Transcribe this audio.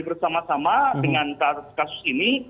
bersama sama dengan kasus ini